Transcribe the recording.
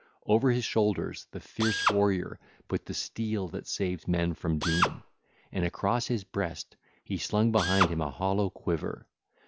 Over his shoulders the fierce warrior put the steel that saves men from doom, and across his breast he slung behind him a hollow quiver.